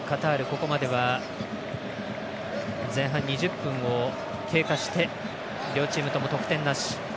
ここまでは前半２０分を経過して両チームとも得点なし。